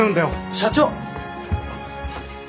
社長！